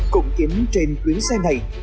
cũng chính trên chuyến xe này